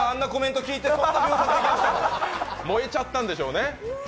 燃えちゃったんでしょうね。